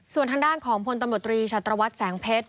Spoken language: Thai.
ส่วนทางด้านของพลตำรวจตรีชัตรวัตรแสงเพชร